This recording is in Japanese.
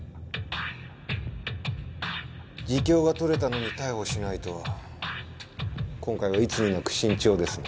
自供が取れたのに逮捕しないとは今回はいつになく慎重ですね。